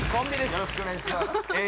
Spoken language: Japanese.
よろしくお願いしますえ